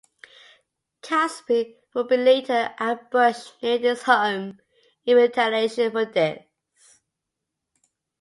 Caspe would be later ambushed near his home, in retaliation for this.